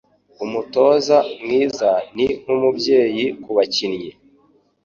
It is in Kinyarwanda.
Umutoza mwiza ni nkumubyeyi kubakinnyi